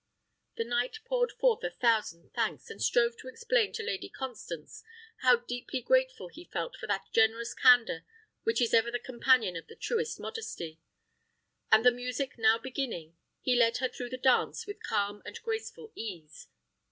The knight poured forth a thousand thanks, and strove to explain to Lady Constance how deeply grateful he felt for that generous candour which is ever the companion of the truest modesty; and, the music now beginning, he led her through the dance with calm and graceful ease.